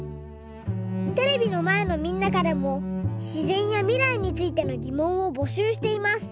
テレビのまえのみんなからもしぜんやみらいについてのぎもんをぼしゅうしています。